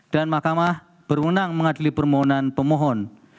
dan makamah berwenang mengadili permohonan pemohon